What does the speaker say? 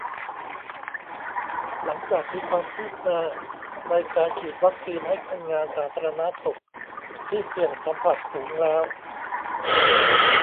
หลังจากมีความคืบหน้า ในการฉีดวัคซีนให้คนงานสาธารณสุขที่เสี่ยงสัมผัสสูงแล้ว